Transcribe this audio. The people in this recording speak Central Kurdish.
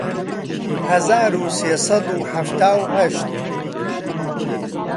هەزار و سێ سەد و حەفتا و هەشت